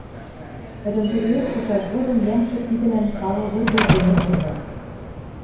Тӹдӹн туреок шошаш годым йӓмшӹк тидӹлӓн сала вурдыжы доно кроза: